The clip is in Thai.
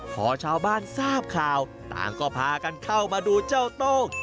พอชาวบ้านทราบข่าวต่างก็พากันเข้ามาดูเจ้าโต้ง